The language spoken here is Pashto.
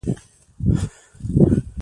دا هر څه د کمپیوټر پر الگوریتمونو ولاړ دي.